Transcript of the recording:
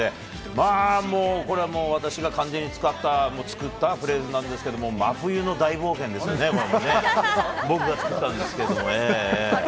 まあ、もう、これはもう、私が完全に作ったフレーズなんですけれども、真冬の大冒険ですよね、これもね、僕が作ったんですけれどもね。